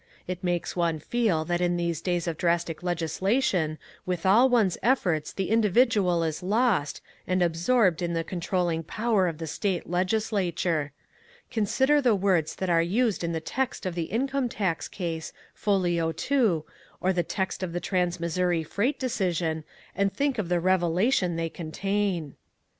It makes one feel that in these days of drastic legislation with all one's efforts the individual is lost and absorbed in the controlling power of the state legislature. Consider the words that are used in the text of the Income Tax Case, Folio Two, or the text of the Trans Missouri Freight Decision, and think of the revelation they contain."